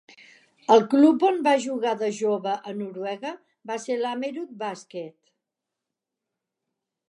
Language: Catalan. El club on va jugar de jove a Noruega va ser l'Ammerud Basket.